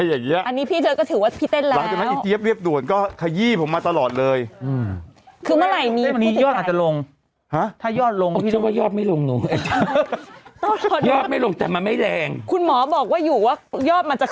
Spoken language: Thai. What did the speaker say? อย่าไปกลัวก็คือให้ระวังตัวแต่อย่าไปตื่นตะหนก